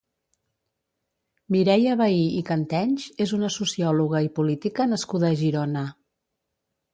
Mireia Vehí i Cantenys és una sociòloga i política nascuda a Girona.